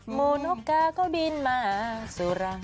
มโมหนุกาก็บินมาสุรัง